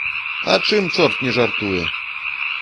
А чым чорт не жартуе!